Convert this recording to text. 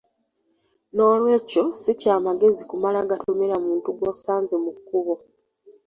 Noolwekyo si kya magezi kumala gatomera muntu gw’osanze mu kkubo.